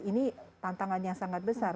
ini tantangannya sangat besar